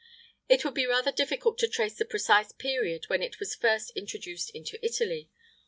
[IX 91] It would be rather difficult to trace the precise period when it was first introduced into Italy.